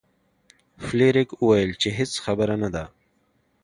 فلیریک وویل چې هیڅ خبره نه ده.